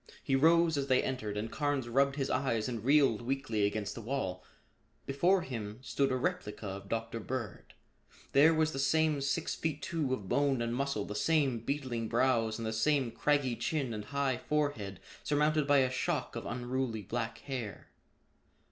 He rose as they entered and Carnes rubbed his eyes and reeled weakly against the wall. Before him stood a replica of Dr. Bird. There was the same six feet two of bone and muscle, the same beetling brows and the same craggy chin and high forehead surmounted by a shock of unruly black hair.